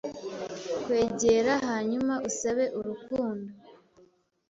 Kwegera hanyuma usabe urukundo